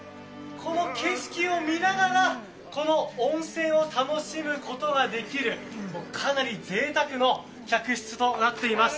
この景色を見ながら温泉を楽しむことができるかなりぜいたくな客室となっています。